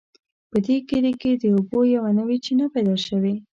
په دې کلي کې د اوبو یوه نوې چینه پیدا شوې